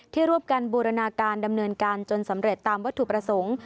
ร่วมกันบูรณาการดำเนินการจนสำเร็จตามวัตถุประสงค์